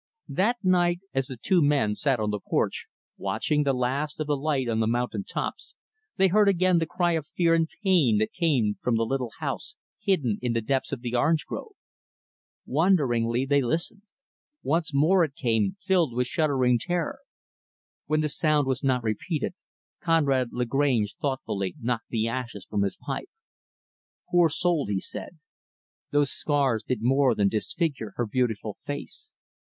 That night, as the two men sat on the porch, watching the last of the light on the mountain tops, they heard again the cry of fear and pain that came from the little house hidden in the depths of the orange grove. Wonderingly they listened. Once more it came filled with shuddering terror. When the sound was not repeated, Conrad Lagrange thoughtfully knocked the ashes from his pipe. "Poor soul," he said. "Those scars did more than disfigure her beautiful face.